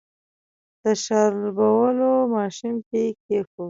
د شاربلو ماشين کې يې کېښود.